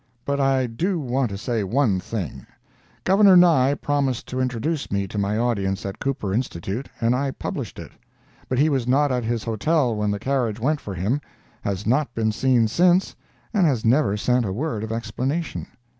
But I do want to say one thing. Governor Nye promised to introduce me to my audience at Cooper Institute, and I published it; but he was not at his hotel when the carriage went for him, has not been seen since, and has never sent a word of explanation.